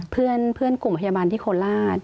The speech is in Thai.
เพื่อนกลุ่มพยาบาลที่โคราช